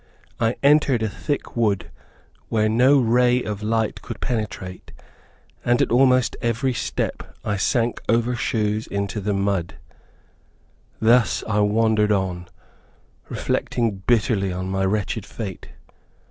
I entered a thick wood where no ray of light could penetrate, and at almost every step, I sank over shoes in the mud. Thus I wandered on, reflecting bitterly on my wretched fate.